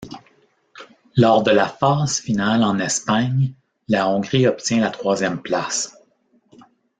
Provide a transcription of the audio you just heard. Lors de la phase finale en Espagne la Hongrie obtient la troisième place.